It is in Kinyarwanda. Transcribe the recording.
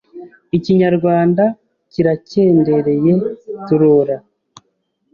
Ikinyarwanda kiracyendereye turora